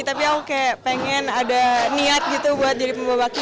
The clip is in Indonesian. tapi aku kayak pengen ada niat gitu buat jadi pembawa baki